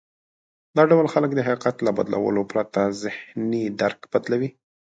دا ډول خلک د حقيقت له بدلولو پرته ذهني درک بدلوي.